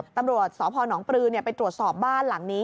ตำรวจสพนปรือไปตรวจสอบบ้านหลังนี้